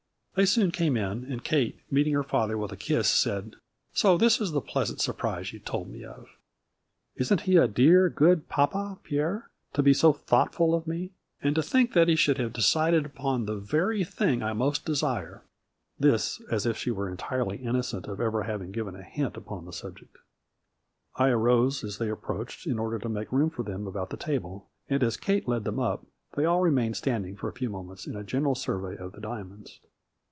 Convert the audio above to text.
They soon came in and Kate meeting her father with a kiss said, " So this is the pleas ant surprise you told me of? Isn't he a dear, good papa, Pierre, to be so thoughtful of me? And to think that he should have decided upon A FLURRY IN DIAMONDS. 15 the very thing I most desire." This as if she were entirely innocent of ever having given a hint upon the subject. I arose as they approached, in order to make room for them about the table, and as Kate led them up, they all remained standing for a few moments in a general survey of the diamonds.